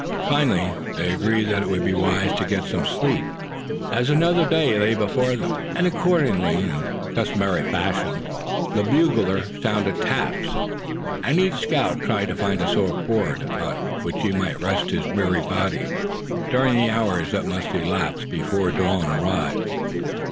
Finally they agreed that it would be wise to get some sleep, as another day lay before them. And accordingly, in the customary fashion, the bugler sounded "taps," and each scout tried to find a soft board, upon which he might rest his weary body during the hours that must elapse before dawn arrived.